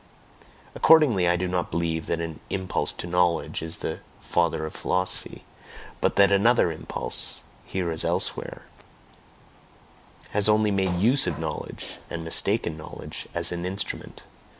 Accordingly, I do not believe that an "impulse to knowledge" is the father of philosophy; but that another impulse, here as elsewhere, has only made use of knowledge (and mistaken knowledge!) as an instrument.